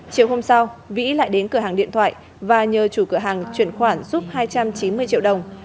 chiều hôm sau vĩ lại đến cửa hàng điện thoại và nhờ chủ cửa hàng chuyển khoản giúp hai trăm chín mươi triệu đồng